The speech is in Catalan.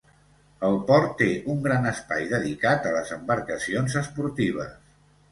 El port té un gran espai dedicat a les embarcacions esportives.